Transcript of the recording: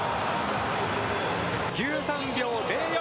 １３秒０４。